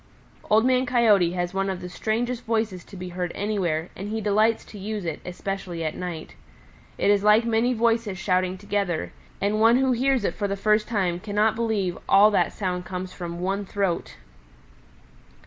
"Old Man Coyote has one of the strangest voices to be heard anywhere, and he delights to use it, especially at night. It is like many voices shouting together, and one who hears it for the first time cannot believe that all that sound comes from one throat.